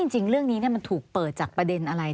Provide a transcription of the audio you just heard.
จริงเรื่องนี้มันถูกเปิดจากประเด็นอะไร